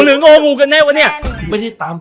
หรือโง่หนูกันแน่วะเนี่ย